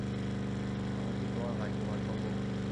আমি কি তোমার ভাইকে ভয় পাবো?